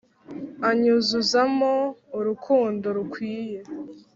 Anyuzuzamo urukundo rukwiye